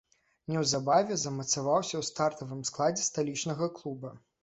Неўзабаве замацаваўся ў стартавым складзе сталічнага клуба.